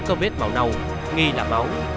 có vết màu nâu nghi là máu